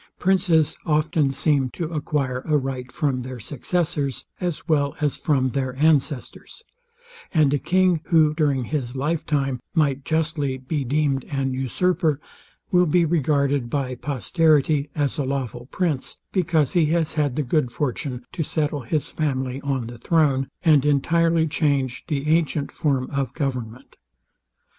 Princes often seem to acquire a right from their successors, as well as from their ancestors; and a king, who during his life time might justly be deemed an usurper, will be regarded by posterity as a lawful prince, because he has had the good fortune to settle his family on the throne, and entirely change the antient form of government.